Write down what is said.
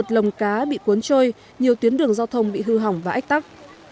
một mươi một lồng cá bị cuốn trôi nhiều tuyến đường giao thông bị hư hỏng và ách tắc